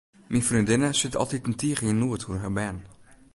Myn freondinne sit altiten tige yn noed oer har bern.